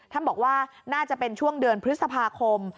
ท่านบอกว่าน่าจะเป็นช่วงเดือนพฤษภาคม